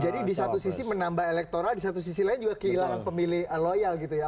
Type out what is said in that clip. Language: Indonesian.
jadi di satu sisi menambah elektoral di satu sisi lain juga kehilangan pemilih loyal gitu ya